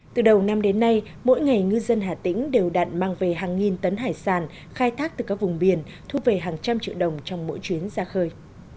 từ đầu năm đến nay mỗi ngày ngư dân hà tĩnh đều đạn mang về hàng nghìn tấn hải sản khai thác từ các vùng biển thu về hàng trăm triệu đồng trong mỗi chuyến ra khơi